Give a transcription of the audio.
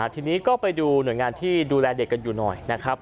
ทีนี้ก็ไปดูหน่วยงานที่ดูแลเด็กกันอยู่หน่อยนะครับ